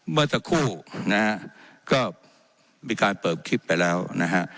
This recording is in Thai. เมื่อสักครู่นะฮะก็มีการเปิดคลิปไปแล้วนะฮะ